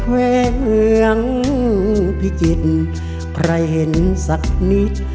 แหวงพิจิตรใครเห็นสักนิด